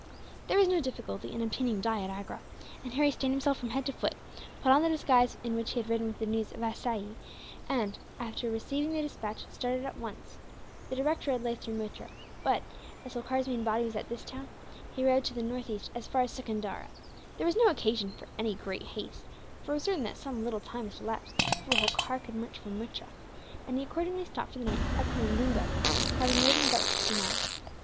There was no difficulty in obtaining dye at Agra, and Harry stained himself from head to foot, put on the disguise in which he had ridden with the news of Assaye and, after receiving the despatch, started at once. The direct road lay through Muttra but, as Holkar's main body was at this town, he rode to the northeast as far as Secundara. There was no occasion for any great haste, for it was certain that some little time must elapse before Holkar could march from Muttra; and he accordingly stopped for the night at Coringunga, having ridden about fifty miles.